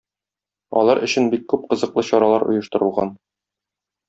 Алар өчен бик күп кызыклы чаралар оештырылган.